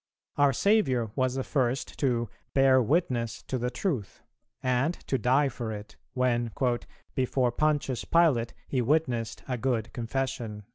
Our Saviour was the first to "bear witness to the Truth," and to die for it, when "before Pontius Pilate he witnessed a good confession."